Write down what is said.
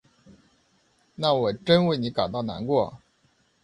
那我真为你感到难过。